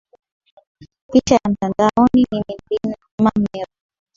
Picha ya Mtandaoni ni Mlima Meru